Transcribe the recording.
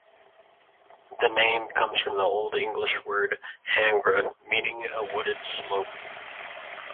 The name comes from the Old English word "hangra", meaning a wooded slope.